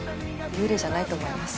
幽霊じゃないと思います。